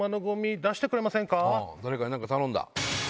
誰かに何か頼んだ？